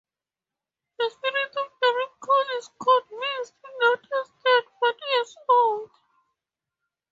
The spirit of the ripe corn is conceived not as dead but as old.